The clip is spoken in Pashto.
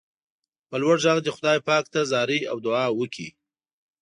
په لوړ غږ دې خدای پاک ته زارۍ او دعا وکړئ.